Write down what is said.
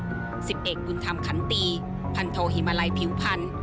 สิบเอกบุญธรรมขันตีพันโทหิมาลัยผิวพันธ์